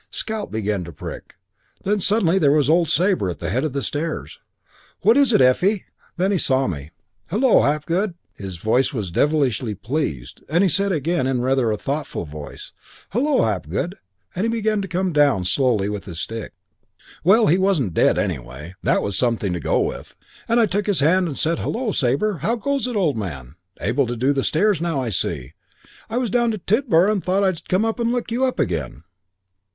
Scalp began to prick. Then suddenly there was old Sabre at the head of the stairs. 'What is it, Effie?' Then he saw me. 'Hullo, Hapgood!' His voice was devilish pleased. Then he said again, rather in a thoughtful voice, 'Hullo, Hapgood,' and he began to come down, slowly, with his stick. "Well, he wasn't dead, anyway; that was something to go on with. I took his hand and said, 'Hullo, Sabre. How goes it, old man? Able to do the stairs now, I see. I was down to Tidborough and thought I'd come and look you up again.'